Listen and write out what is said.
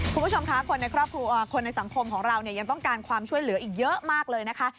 คุณผู้ชมคะคนในสังคมของเรายังต้องการความช่วยเหลืออีกเยอะมากเลยนะคะ